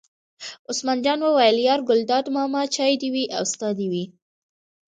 عثمان جان وویل: یار ګلداد ماما چای دې وي او ستا دې وي.